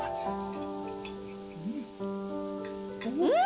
うん！